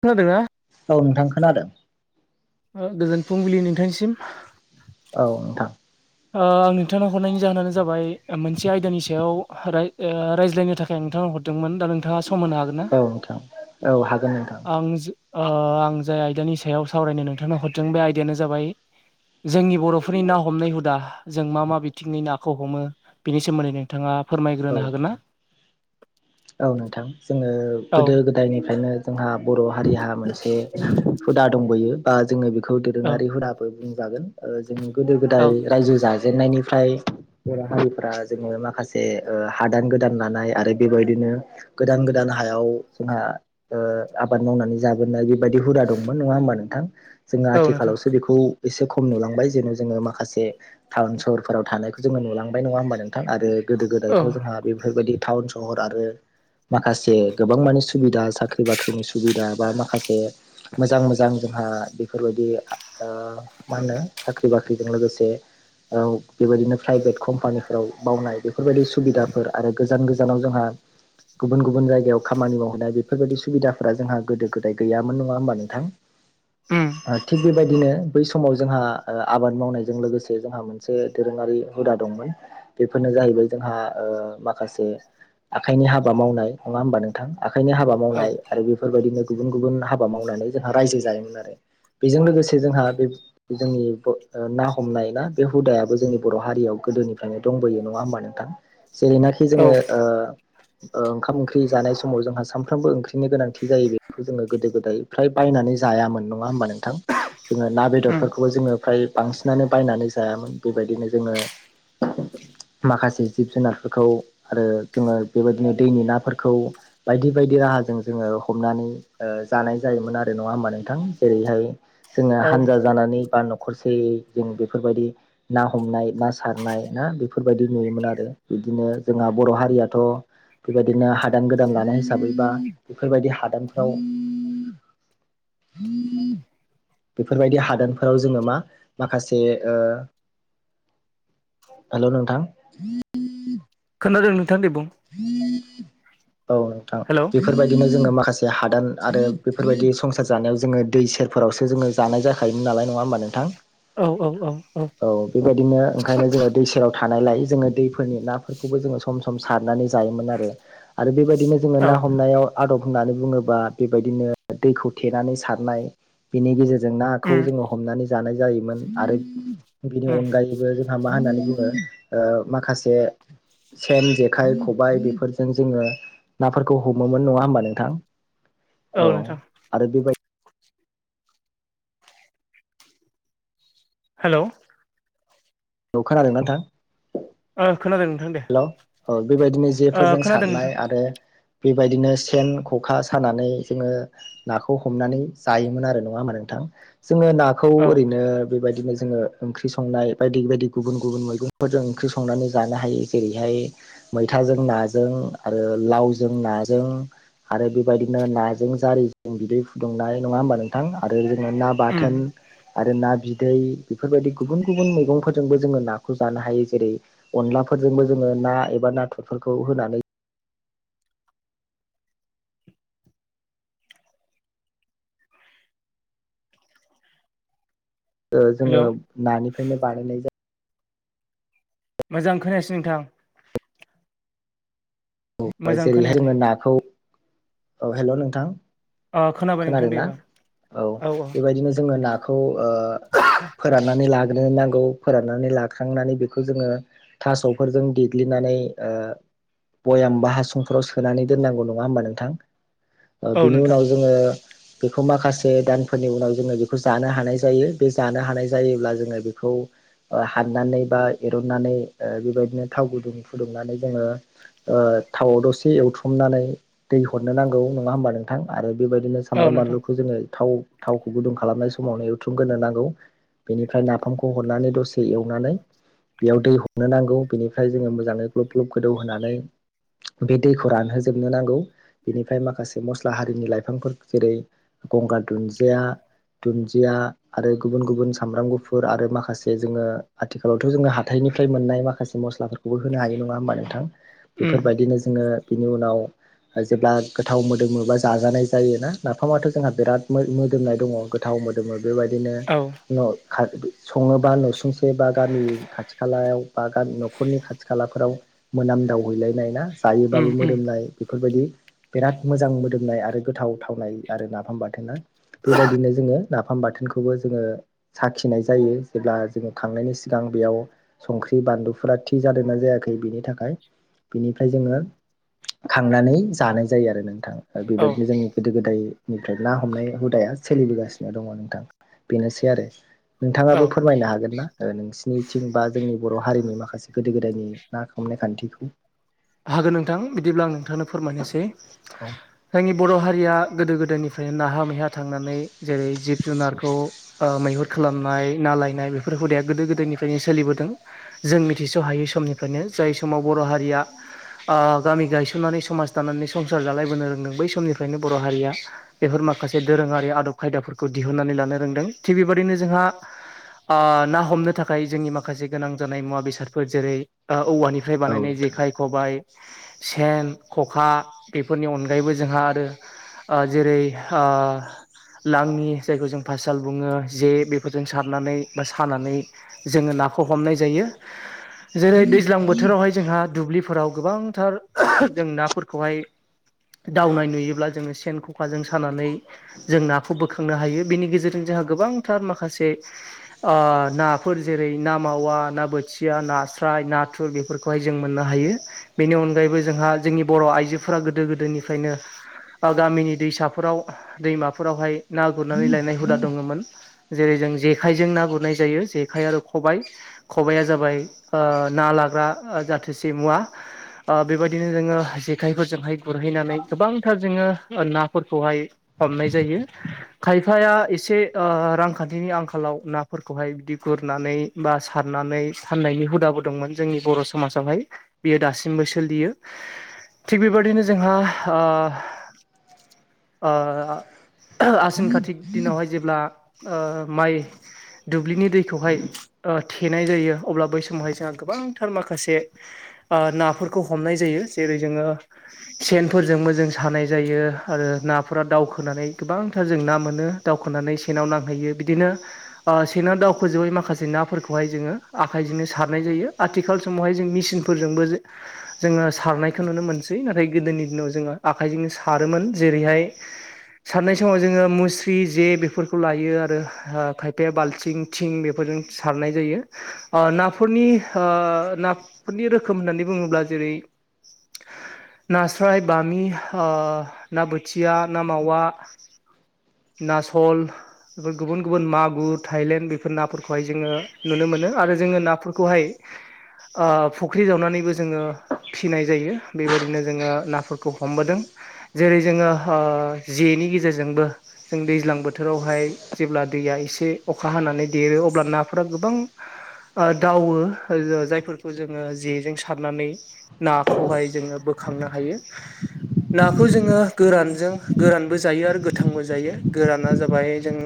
खोनादों ना औ नोंथां खोनादों गोजोन फुंबिलि नोंथांनिसिम औ नोंथां आं नोंथांनो हरनायनि जाहोनानो जाबाय मोनसे आयदानि सायाव रायज्लायनो थाखाय नोंथां हरदोंमोन दा नोंथाङा समनो हागोन औ नोंथां औ हागोन नोंथां आं आं जाय आयदानि सायाव सावरायनो नोंथांनो हरदों बे आयदायानो जाबाय जोंनि बर'फोरनि ना हमनाय हुदा जों मा मा बिथिंनि नाखौ हमो बेनि सोमोन्दै नोंथाङा औ फोरमायग्रोनो हागोन ना नोंथां [inaudible] औ नोंथां जोङो औ गोदो गोदायनिफ्रायनो जोंहा बर' हारिहा मोनसे हुदा दंबोयो बा जोङो बेखौ औ दोरोङारि हुदाबो बुंजागोन जों गोदो औ गोदाय रायजो जाजेननायनिफ्राय बर' हारिफोरा जोङो माखासे जे ओ हादान गोदान लानाय आरो बेबायदिनो गोदान गोदान हायाव जोंहा ओ आबाद मावनानै जाबोनाय बेबायदि हुदा दंमोन नङा होमबा नोंथां जोङो औ नोंथां आथिखालावसो बेखौ एसे खम नुलांबाय जेन' जोङो माखासे टाउन सहरफोराव थानायखौ जोङो नुलांबाय नङा होमबा नोंथां आरो गोदो औ गोदायथ' जोंहा बेफोरबायदि टाउन सहर आरो माखासे गोबां मानि सुबिदा साख्रि बाख्रिनि सुबिदा बा मोजां मोजां जोंहा बेफोरबायदि ओ मा होनो साख्रि -बाख्रि जों लोगोसे औ बेबायदिनो प्राइभेत कम्पानिफोराव मावनाय फोरबायदि सुबिदाफोर आरो गोजान गोजानाव जोंहा गुबुन- गुबुन जायगायाव खामानि मावहैनाय बेफोरबायदि सुबिदाफोरा जोंहा गोदो गोदाय गैयामोन नङा होमबा नोंथां उम ओ थिग बेबाय दिनो बै समाव जोंहा ओ आबाद मावनायजों लोगोसे जोंहा मोनसे दोरोङारि हुदा दंमोन। बेफोरनो जाहैबाय जोंहा ओ माखासे आखाइनि हाबा मावनाय नङा होमबा नोंथां आखायनि हाबा औ मावनाय आरो बेफोरबायदिनो गुबुन- गुबुन हाबा मावनानै जोंहा रायजो जायोमोन आरो। बेजों लोगोसे जोंहा बे जोंनि ग' ओ ना हमनाय ना बे हुदायाबो जोंनि बर' हारियाव गोदोनिफ्रायनो दंबोयो नङा होमबा नोंथां जेरैनाखि औ जोङो ओ ओ ओंखाम ओंख्रि जानाय समाव जोंहा सानफ्रोमबो ओंख्रिनि गोनांथि जायो बेखौ जोङो गोदो गोदाय फ्राय बायनानै जायामोन नङा होमबा नोंथां जोङो ना उम बेदरफोरखौबो जोङो फ्राय बांसिनानो बायनानै जायामोन बेबायदिनो जोङो माखासे जिब जुनारफोरखौ आरो जोङो बेबायदिनो दैनि नाफोरखौ बायदि - बायदि राहाजों जोङो हमनानै ओ जानाय जायोमोन आरो नङा होमबा नोंथां जेरैहाय जोङो औ हानजा जानानै बा न' खरसेयै जों बेफोरबायदि ना हमनाय ना सारनाय ना बेफोरबायदि नुयोमोन आ रो इदिनो जोंहा बर' हारियाथ' बेबायदिनो हादान गोदान लानाय हिसाबै बा बेफोरबायदि हादानफ्राव [unintelligible] बेफोरबायदि हादानफोराव जोङो मा माखासे ओ हेलौ नोंथां खोनादों नोंथां दे बुं [unintelligible] औ नोंथां हेल' औ बेफोरबायदिनो जोङो माखासे हादान आरो बेफोरबायदि संसार जानायाव जोङो दै सेरफोरावसो जोङो जानाय जाखायोमोन नालाय नङा होमबा नोंथां औ औ औ बेबायदिनो ओंखायनो जोङो दै सेराव थानायलाय जोङो दैफोरनि नाफोरखौबो जोङो सम -सम सारनानै जायोमोन आरो आरो बेबायदिनो जोङो औ ना हमनायाव आदब होननानै बुङोबा बेबायदिनो दैखौ थेनानै सारनाय बेनि गेजेर जों नाखौ उम जोङो हमनानै जानाय जायोमोन आरो बेनि उम अनगायैबो जोंहा मा होननानै बुङो ओ माखासे सेन जे खाइ खबाय बेफोरजों जोङो नाफोरखौ हमोमोन नङा होमबा नोंथां औ आरो बेबाय हेलौ औ खोनादों ना नोंथां ओ खोनादों नोंथां दे। हेलौ औ बेबायदिनो ओ जेफोरजों खोनादों नोंथां सारनाय आरो बेबायदिनो सेन ख'खा सानानै जोङो नाखौ हमनानै जायोमोन आरो नङामा नोंथा जोङो नाखौ औ ओरैनो बेबायदिनो जोङो ओंख्रि संनाय बायदि बायद दि गुबुन -गुबुन मैगंफोरजों ओंख्रि संनानै जानो हायो जेरैहाय मैथाजों नाजों आरो ओ लावजों नाजों आरो बेबायदिनो नाजों जारिजों बिदै फुदुंनाय नङा होमबा नोंथां आरो जोङो ना उम बाथोन आरो ना बिदै बेफोरबायदि गुबुन गुबन मैगंफोर जोंबो जोङो नाखौ जानो हायो जेरै अनलाफोरजोंबो जोङो ना एबा नाथुरफोरखौ होनानै ओ हेलौ जोङो नानिफ्रायनो बानायनाय जा मोजां खोनायासै नोंथां। औ मोजां जेरैहाय खोनायाखै जोङो नाखौ औ हेल' नोंथां अ खोनाबाय नोंथां दे खोनादोंना? एबार औ बेबायदिनो जोङो ना खौ ओ फोरननानै लाग्रोनां खौ फोराननानै लाखांनानै बेखौ जोङो थास'फोरजों देग्लिनानै ओ बयाम बा हासुंफोराव सोनानै दोननांगौ नङा होमबा नोंथां? ओ औ औ बिनि नोंथां उनाव जोङो बेखौ माखासे दानफोरनि उनाव जोङो बेखौ जानो हानाय जायो बे जानो हानाय जायोब्ला जोङो बेखौ ओ हाननानै बा एरननानैओ बेबायदिनो थाव गुदुं फुदुंनानै जोङो ओ थावआव दसे एवथ्रुमनानै दै हरनो नांगौ नङा होमबा नोंथां आरो बेबायदिनो औ सामब्राम नोंथां बानलुखौ जोंङो थाव-थावखौ गुदुं खालामनाय समावनो एवथ्रुमग्रोनो नांगौ बेनिफ्राय नाफामखौ हरनानै दसे एवनानै बेयाव दै हरनो नांगौ बेनिफ्राय जोंङो मोजाङै ग्लब-ग्लब गोदौ होनोनानै बे दैखौ रानहोजोबनो नांगौ बेनिफ्राय माखासे मस्ला हारिनि लाइफांफोर जेरै गंगा र दुन्दिया दुन्दिया आरो गुबुन गुबुन सामब्राम गुफुर आरो माखासे जोंङो आथिखालावथ' जोंङो हाथाय निफ्राय मोननाय माखासे मसलाफोरखौबो होनो हायो नङा होमबा नोंथां उम बेफोरबायदिनो जोंङो बिनि उनाव ओ जेब्ला गोथाव मोदोमो बा जाजानाय जायोना नाफामाथ' जोंहा बिराद मो-मोदोमनाय दङ गोथाव मोदोमो। बेबायदिनो औ उनाव संङोबा नसुंसे बा गामि खाथि खालायाव बा गामि न'खरनि खाथि खालाफोराव मोनामदाव हैलायनाय ना उम जायोबाबो उम मोदोमनाय बेफोरबायदि बिराद मोजां मोदोमनाय आरो गोथाव थावनाय आरो नाफाम बाथोना बेबायदिनो जोंङो नाफाम बाथोनखौबो जोंङो साखिनाय जायो जेब्ला जोंङो खांनायनि सिगां बेयाव सं बानलुफोरा थि जादोंना जायाखै बिनि थाखाय बिनिफ्राय जोंङो खांनानै जानाय जायो आरो नोंथां औ बेबायदिनो जोंङो गोदो गोदाय निफ्राय ना हमनाय हुदाया सोलिबोगासिनो दङ नोंथां बेनोसै आरो। औ नोंथाङाबो फोरमायनो हागोन ना नोंसिनिथिं बा जोंनि बर' हारिनि माखासे गोदो गोदायनि ना हमनाय खान्थिखौ हागोन नोंथां बिदिब्ला आं नोंथांनो फोरमायनोसै औ जोंनि बर' हारिया गोदो गोदायनिफ्राय नाहा मैहा थांनानै जेरै जिब जुनारखौ ओ मैहुर खालामनाय ना लायनाय बेफोर हुदाया गोदो गोदायनिफ्रायनो सोलिबोदों जों मिथिस' हायै समनिफ्रायनो। जाय समाव बर' हारिया [inaudible] ओ गामि गायसननानै समाज दानानै संसार जालायबोनो रोंदों बै समनिफ्रायनो बर' हारिया बेफोर मा खासे दोरोङारि आदब खायदाफोरखौ दिहुननानै लानो रोंदों थिग बेबायदिनो जोंहा ओ ना हमनो थाखाय जोंनि माखासे गोनां जानाय मुवा बेसादफोर जेरै ओ औवानिफ्राय औ बानायनाय नोंथां जेखाय खबाय सेन ख'खा बेफोरनि अनगायैबो जोंहा आरो जेरै ओ लाङि जायखौ जों पाससाल बुङो जे बेफोरजों सारनानै बा सानानै जोंङो ना खौ हमनाय जायो जेरै दैजां बोथोरावाय जों दुब्लि फोराव गोबांथार जों नाफोरखौहाय दावनाय नुयोब्ला जोंङो सेन खखाजों सानानै जों नाखौ बोखांनो हायो बेनि गेजेरजों जों हा गोबांथार माखासे नाफोर जेरै ना मावा ना बोथिया ना नास्राय नाथुर बेफोरखौहाय जों मोननो हायो। बेनि अनगायैबो जोंहा जोंनि बर' आइजोफोरा गोदो गोदोनिफ्रायनो ओ गामिनि दैसाफोराव दैमाफोरावहाय ना गुरनानै लायनाय हुदा दङमोन जेरै जों जेखाइजों ना गुरनाय जायो जेखाइ आरो खबाइ खबाइया जाबाय ओ ना लाग्रा जाथोसे मुवा। [inaudible] बेबायदिनो जोंङो जेखायफोरजोंहाय गुरहैनानै गोबांथार जोंङो नाफोरखौहाय हमनाय जायो खायफाया एसे ओ रांखान्थिनि आंखालाव नाफोरखौहाय बिदि गुर नानै बा सारनानै फाननायनि हुदाबो दंमोन जोंनि बर' समाजावहाय। बियो दासिमबो सोलियो थिग बेबादिनो जोंहा ओ ओ आसिन कातिक दिनावहाय जेब्ला ओ माइ दुब्लिनि दैखौहाय थेनाय जायो अब्ला बै समावहाय जोंहा गोबांथार माखासे ओ नाफोरखौ हमनाय जायो जेरै जोंङो सेनफोरजोंबो जोंङो सानाय जायो आरो नाफोरा दावखोनानै गोबांथार जों ना मोनो। दावखानै सेनाव नांहैयो। बिदिनो ओ दावखो जोबै माखसे ना फोरखौहाय जोङो आखजोंनो सारनाय जायो। आथिखाल समावहाय जों मेसिन फोरजोंबो जोङो सारनायखौ नुनो मोनसै। नाथाय गोदोनि दिनाव जोङो आखजोंनो सारोमोन। जेरैहाय सारनाय समाव जोङो मुस्रि जे बेफोरखौ लायो आरो खायफाया बालथिं थिं बेफोर सारनाय जायो। नाफोरनि ना रोखोम होननानै बुङोब्ला जेरै [unintelligible] नास्राय बामि ओ ना बोथिया ना मावा नासल बेफोर गुबुन गुबुन मागुर थायलेण्ड बेफोर नाफोरखौहाय जोङो नुनो मोनो आरो जोङो नाफोरखौहाय अ फुख्रि जावनानैबो जोङो फिसिनाय जायो। बेबायदिनो जोङो नाफोरखौ हमबोदों। जेरै जोङो जेनि गेजेरजोंबो जों दैज्लां बोथोरावहाय जेब्ला दैया एसे अखा हानानै देरो अब्ला नाफोरा गोबां दावो जायफोरखौ जों जेजों सारनानै नाखौहाय जोङो बोखांनो हायो। नाखौ जोङो गोरानजों गोरानबो जायो आरो गोथांबो जायो। गोराना जाबाय जों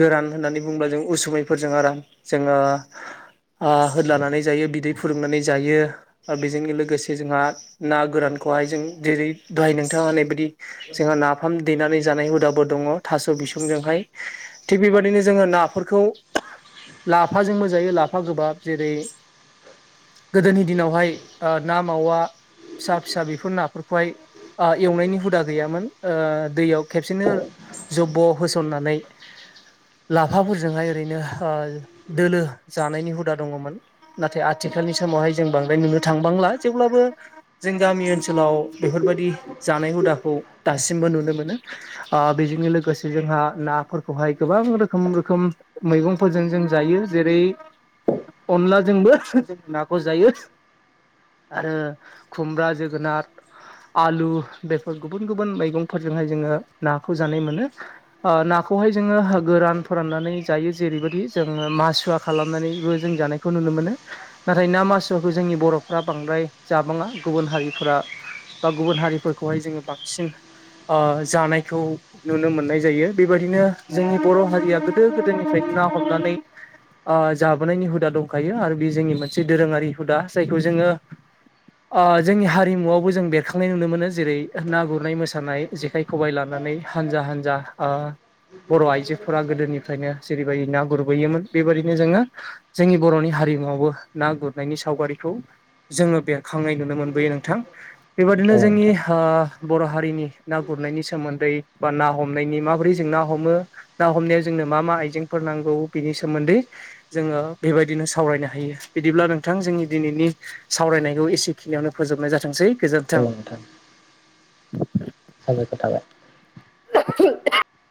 गोरान होननानै बुङोब्ला जों उसुमैफोरजों आराम। जोङो आ होलानानै जायो बिदै फुुदुंनानै जायो आरो बेजोंनो लोगोसे जोंहा ना गोरानखौहाय जों जेरै दहाय नोंथां होननाय बायदि जोंहा नाफाम दैनानै जानाय हुदाबो दङ। थास' बिसंजोंहाय। थिग बेबायदिनो जोङो नाफोरखौ लाफाजोंबो जायो। लाफा गोबाब जेरै गोदोनि दिनावहाय ना मावा फिसा फिसा बेफोर नाफोरखौहाय ओ एवनायनि हुदा गैयामोन‌। ओ दैयाव खेबसेनो जब्ब' होसननानै लाफाफोरजोंहाय ओरैनो दोलो जानायनि हुदा दङमोन। नाथाय आथिखालनि समावहाय जों बांद्राय नुनो थांबांला जेब्लाबो जों गामि ओनसोलाव बेफोरबायदि जानाय हुदाखौ दासिमबो नुनो मोनो। ओ बेजोंनो लोगोसे जोंहा नाफोरखौहाय गोबां गोबां रोखोम रोखोम मैगंफोरजों जों जायो जेरै अनलाजोंबो नाखौ' जायो। आरो खुमब्रा जोगोनार आलु बेफोर गुबुन गुबुन मैगंफोर जोंहाय जोङो नाखौ जानाय मोनो। ओ नाखौहाय जोङो गोरान फोराननानै जायो जेरै बायदि जों मासुवा खालामनानैबो जों जानायखौ नुनो मोनो। नाथाय ना मासुवाखौ जोंनि बर'फ्रा बांद्राय जाबाङा। गुबुन हारिफोरा बा गुबुन हारिफोरखौ बेवहाय जोङो बांसिन ओ जानायखौ नुनो मोननाय जायो बेबायदिनो जोंनि बर' हारिया गोदो गोदायनिफ्राय ना हमनानै ओक्षजाबोनायनि हुदा दंखायो आरो बे जोंनि मोनसे जि दोरोङारि हुदा जायखौ जोङो ओ जोंनि हारिमुआवबो जों बेरखांनाय नुनो मोनो। जेरै ना गुरनाय मोसानाय, जेखाइ खबाइ लानानै हानजा हानजा ओ बर' आइजोफोरा गोदोनिफ्रायनो जेरैबायदि ना गुर गैयोमोन बेबायदिनो जोङो जोंनि बर'नि हारिमुवावबो ना गुरनायनि सावगारिखौ जोङो बे खांनाय नुनो मोनबोयो नोंथां बेबादिनो औ जोंनि नोंथां बर' हारिनि ना गुरनायनि सोमोन्दै बा ना हमनायनि माबोरै जों ना हमो ना हमनायाव जोंनो। मा मा आइजेंफोर नांगौ बिनि सोमोन्दै जोङो बेबायदिनो सावरायनो हायो। बिदिब्ला नोंथां जोंनि दिनैनि सावरायनायखौ एसेखिनियावनो फोजोबनाय जाथोंसै गोजोन्थों औ नोंथां। [inaudible] [inaudible]